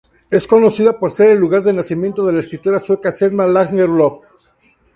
Es conocida por ser el lugar de nacimiento de la escritora sueca Selma Lagerlöf.